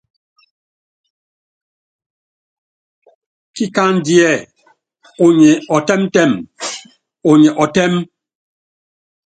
Kíkándíɛ unyi ɔtɛ́mtɛm, unyɛ ɔtɛ́m.